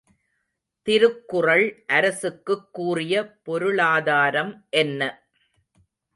திருக்குறள் அரசுக்குக் கூறிய பொருளாதாரம் என்ன?